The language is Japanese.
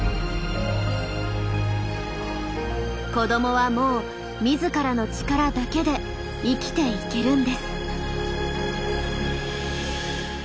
子どもはもう自らの力だけで生きていけるんです。